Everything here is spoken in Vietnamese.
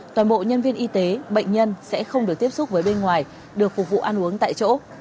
toàn bộ nhân viên y tế bệnh nhân sẽ không được tiếp xúc với bên ngoài được phục vụ ăn uống tại chỗ